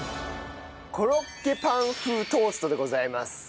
コロッケパン風トーストでございます。